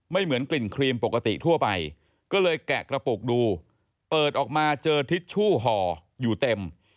เหมือนกลิ่นครีมปกติทั่วไปก็เลยแกะกระปุกดูเปิดออกมาเจอทิชชู่ห่ออยู่เต็ม